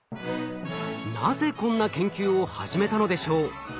なぜこんな研究を始めたのでしょう？